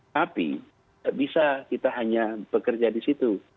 tapi tidak bisa kita hanya bekerja di situ